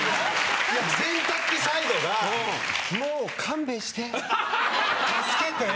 いや洗濯機サイドがもう勘弁して助けて。